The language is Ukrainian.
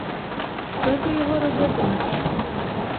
Що ти його робитимеш?